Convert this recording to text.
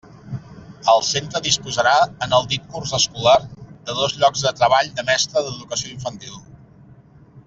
El centre disposarà, en el dit curs escolar, de dos llocs de treball de mestre d'Educació Infantil.